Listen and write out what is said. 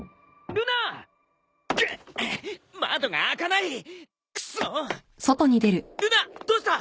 ルナどうした？